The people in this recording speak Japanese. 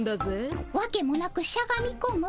わけもなくしゃがみこむ。